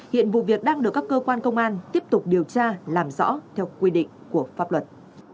hiện vụ việc đang được các cơ quan công an tiếp tục điều tra làm rõ theo quy định của pháp luật